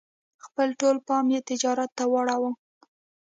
خپل ټول پام یې تجارت ته واړاوه.